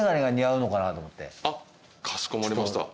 かしこまりました。